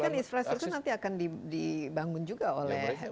tapi kan infrastruktur nanti akan dibangun juga oleh